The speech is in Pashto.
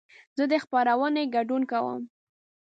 زه د خپرونې ګډون کوم.